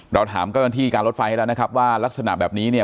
เราถามเจ้าหน้าที่การรถไฟให้แล้วนะครับว่ารักษณะแบบนี้เนี่ย